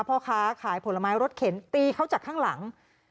พ่อค้าขายผลไม้รถเข็นตีเขาจากข้างหลัง